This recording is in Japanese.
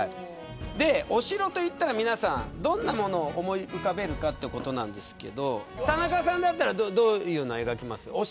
お城といったら皆さんどんなものを思い浮かべるかということですが田中さんだったらどういうのを描きますか。